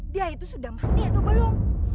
dia itu sudah mati atau belum